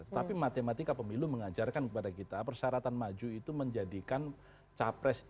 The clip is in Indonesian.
tetapi matematika pemilu mengajarkan kepada kita persyaratan maju itu menjadikan capres